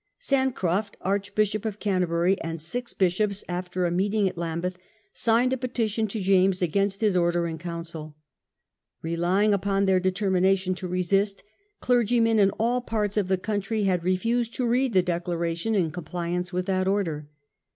Bancroft, Archbishop of Canterbury, and six bishops, after a meeting at I^mbeth, signed a petition to James against his order in council. Relying uponxnaiofthe their determination to resist, clergymen in "even bishops, all parts of the country had refused to read the Declaration in compliance with that order.